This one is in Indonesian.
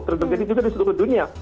terdengar juga di seluruh dunia